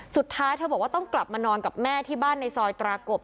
สุดท้ายเธอบอกว่าต้องกลับมานอนกับแม่ที่บ้านในซอยตรากบ